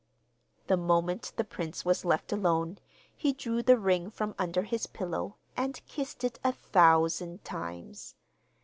The moment the prince was left alone he drew the ring from under his pillow and kissed it a thousand times.